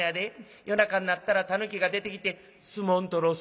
夜中になったらタヌキが出てきて相撲取ろう